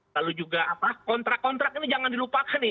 lalu juga apa kontrak kontrak ini jangan dilupakan nih